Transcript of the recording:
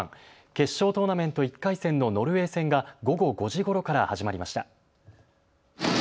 決勝トーナメント１回戦のノルウェー戦が午後５時ごろから始まりました。